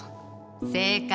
正解！